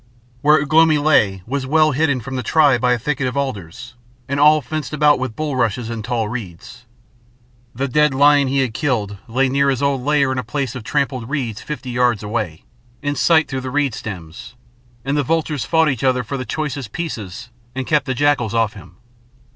Where Ugh lomi lay was well hidden from the tribe by a thicket of alders, and all fenced about with bulrushes and tall reeds. The dead lion he had killed lay near his old lair on a place of trampled reeds fifty yards away, in sight through the reed stems, and the vultures fought each other for the choicest pieces and kept the jackals off him.